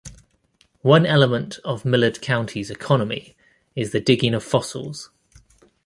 One element of Millard County's economy is the digging of fossils.